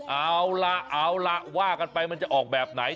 เอาล่ะเอาล่ะว่ากันไปมันจะออกแบบไหน